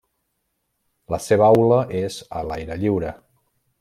La seva aula és a l’aire lliure.